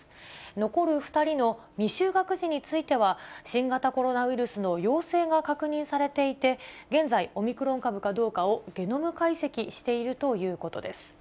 残る２人の未就学児については、新型コロナウイルスの陽性が確認されていて、現在、オミクロン株かどうかをゲノム解析しているということです。